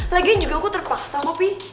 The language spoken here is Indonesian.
lagian juga aku terpaksa kok pih